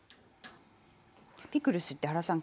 ピクルスって原さん